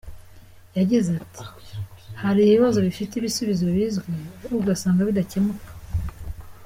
Yagize ati “Hari ibibazo bifite ibisubizo bizwi, ariko ugasanga bidakemuka.